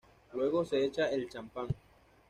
Luego se echa el champán.